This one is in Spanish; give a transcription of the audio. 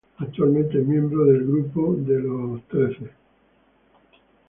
Actualmente es miembro del Group of Thirty.